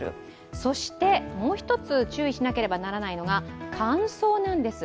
そして、もう一つ注意しなければならないのが乾燥なんです。